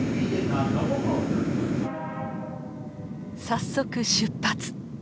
早速出発！